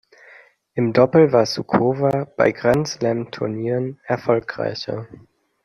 Im Doppel war Suková bei Grand-Slam-Turnieren erfolgreicher.